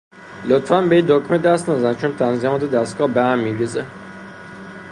لطفا به این دکمه دست نزن چون تنظیمات دستگاه بهم میریزه.